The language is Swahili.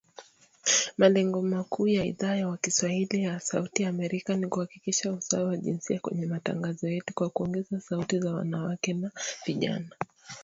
Malengo makuu ya Idhaa ya kiswahili ya Sauti ya Amerika ni kuhakikisha usawa wa jinsia kwenye matangazo yetu kwa kuongeza sauti za wanawake na vijana.